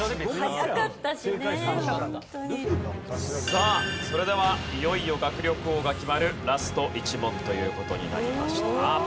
さあそれではいよいよ学力王が決まるラスト１問という事になりました。